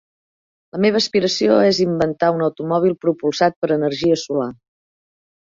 La meva aspiració és inventar un automòbil propulsat per energia solar.